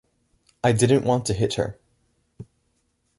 I didn't want to hit her.